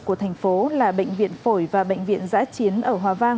của thành phố là bệnh viện phổi và bệnh viện giã chiến ở hòa vang